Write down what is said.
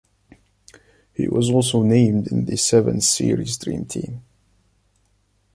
He was also named in the Sevens Series Dream Team.